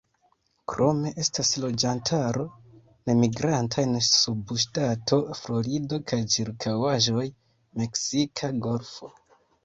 Krome estas loĝantaro nemigranta en subŝtato Florido kaj ĉirkaŭaĵoj -Meksika golfo-.